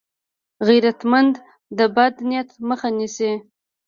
غیرتمند د بد نیت مخه نیسي